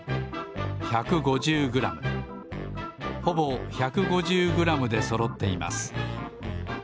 ほぼ１５０グラムでそろっています。